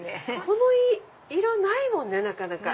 この色ないもんねなかなか。